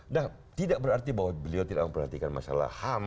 nah tidak berarti bahwa beliau tidak memperhatikan masalah ham